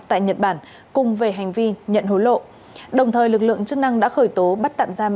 tại nhật bản cùng về hành vi nhận hối lộ đồng thời lực lượng chức năng đã khởi tố bắt tạm giam